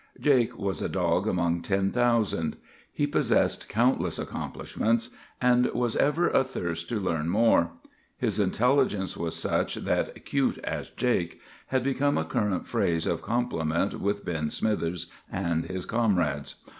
"Jake was a dog among ten thousand. He possessed countless accomplishments, and was ever athirst to learn more. His intelligence was such that 'cute as Jake' had become a current phrase of compliment with Ben Smithers and his comrades.